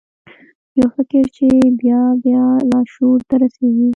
یو فکر چې بیا بیا لاشعور ته رسیږي